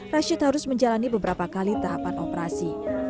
rashid harus menjalani beberapa kali tahapan operasi